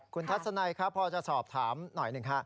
คุณทัศนัยครับพอจะสอบถามหน่อยหนึ่งฮะ